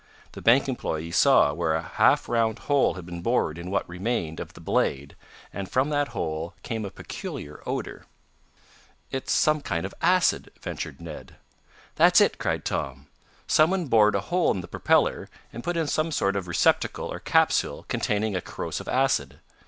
The bank employee saw where a half round hole had been bored in what remained of the blade, and from that hole came a peculiar odor. "It's some kind of acid," ventured Ned. "That's it!" cried Tom. "Someone bored a hole in the propeller, and put in some sort of receptacle, or capsule, containing a corrosive acid.